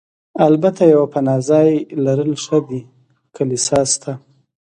البته یو پناه ځای لرل ښه دي، کلیسا شته.